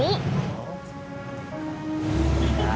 kalau anaknya perempuan